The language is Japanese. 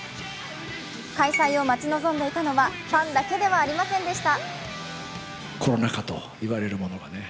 開催を待ち望んでいたのはファンだけではありませんでした。